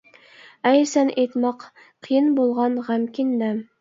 ئەي سەن ئېيتماق قىيىن بولغان غەمكىن دەم!